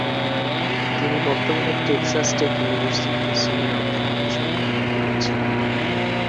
তিনি বর্তমানে Texas Tech ইউনিভার্সিটিতে সিনিয়র অধ্যাপক হিসেবে কর্মরত রয়েছেন।